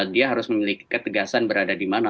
dia harus memiliki ketegasan berada di mana